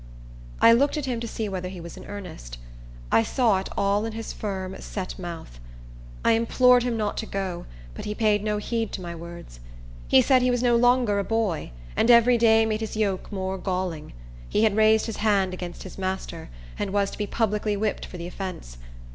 I looked at him to see whether he was in earnest. I saw it all in his firm, set mouth. I implored him not to go, but he paid no heed to my words. He said he was no longer a boy, and every day made his yoke more galling. He had raised his hand against his master, and was to be publicly whipped for the offence.